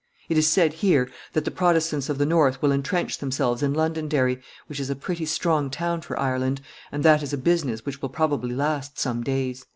It is said here that the Protestants of the north will intrench themselves in Londonderry, which is a pretty strong town for Ireland, and that it is a business which will probably last some days."